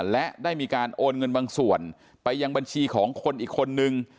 และได้มีการโอนเงินบางส่วนไปยังบัญชีของคนอีกคนนึง